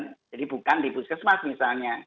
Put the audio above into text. jadi bukan di puskesmas misalnya